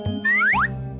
jangan terlalu banyak